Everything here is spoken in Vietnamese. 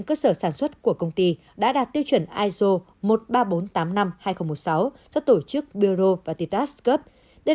cơ sở sản xuất của công ty đã đạt tiêu chuẩn iso một mươi ba nghìn bốn trăm tám mươi năm hai nghìn một mươi sáu do tổ chức bioro và titas cup đây